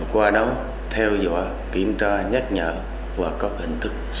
quấn triển thực hiện